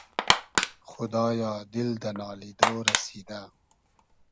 خودایا دیل دۂ نالیدۉ رئسیدۂ